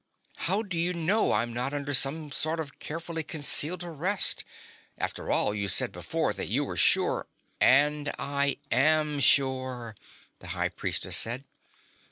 "How do you know I'm not under some sort of carefully concealed arrest? After all, you said before that you were sure " "And I am sure," the High Priestess said.